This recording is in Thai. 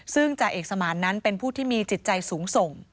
ซึ่งจ่าเอกสมานนั้นเป็นผู้ที่มีจิตใจสูงส่ง